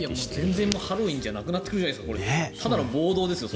全然ハロウィーンじゃなくなってくるじゃないですか。